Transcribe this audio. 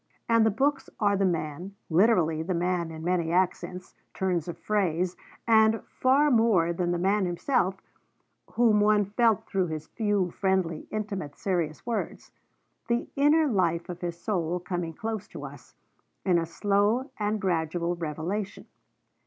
And the books are the man, literally the man in many accents, turns of phrase; and, far more than that, the man himself, whom one felt through his few, friendly, intimate, serious words: the inner life of his soul coming close to us, in a slow and gradual revelation.